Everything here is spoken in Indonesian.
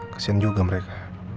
kesian juga mereka